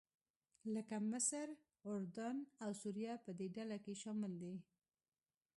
لکه مصر، اردن او سوریه په دې ډله کې شامل دي.